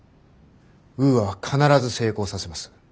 ウーアは必ず成功させます。